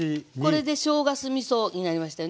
これでしょうが酢みそになりましたよね。